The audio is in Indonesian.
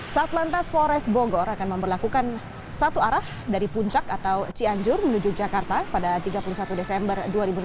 saat lantas polres bogor akan memperlakukan satu arah dari puncak atau cianjur menuju jakarta pada tiga puluh satu desember dua ribu delapan belas